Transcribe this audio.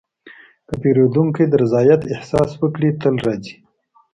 که پیرودونکی د رضایت احساس وکړي، تل راځي.